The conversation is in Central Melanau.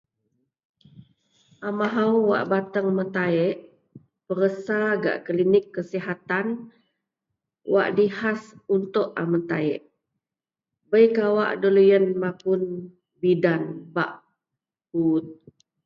amahou wak bateng metaik, periksa gak klinik kasihatan wak dikhas untuk a metaik, bei kawak deloyien mapun bidan bak puut